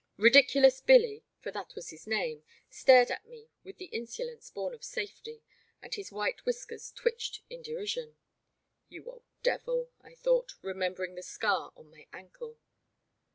" Ridiculous Billy,*' for that was his name, stared at me with the insolence bom of safety, and his white whiskers twitched in derision. You old devil,'* I thought, remembering the scar on my ankle.